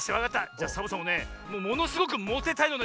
じゃあサボさんもねものすごくモテたいのでね